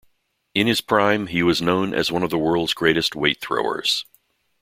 In his prime, he was known as one of the world's greatest weight throwers.